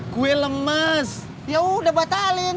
kue lemes ya udah batalin